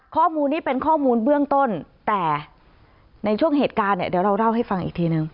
ข้อมูลนี้เป็นข้อมูลเบื้องต้นแต่ในช่วงเหตุการณ์เนี่ยเดี๋ยวเราเล่าให้ฟังอีกทีนึง